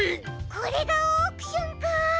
これがオークションか！